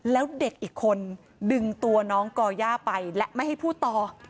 แล้วเด็กอีกคนดึงตัวน้องก่อย่าไปและไม่ให้พูดต่อ